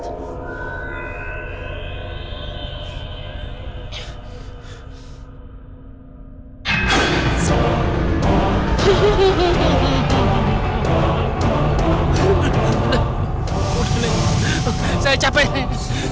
udah nek saya capek nek